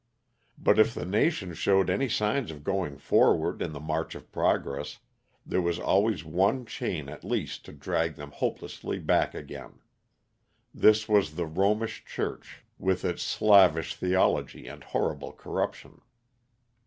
But if the nation showed any signs of going forward in the march of progress, there was always one chain at least to drag them hopelessly back again. This was the Romish Church with, its slavish theology and horrible corruption.